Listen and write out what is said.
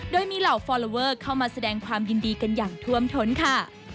โดยมีเหล่าฟอลลอเวอร์เข้ามาแสดงความยินดีกันอย่างท่วมท้นค่ะ